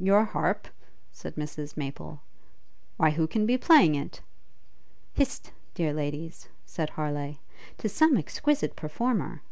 'Your harp?' said Mrs Maple; 'why who can be playing it?' 'Hist! dear ladies,' said Harleigh; ''tis some exquisite performer.'